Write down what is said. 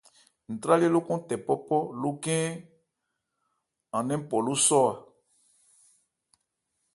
Ntrályɛ́ lókɔn tɛ pɔ́pɔ́ lókhɛ́n an nɛ́n pɔ sɔ́ a.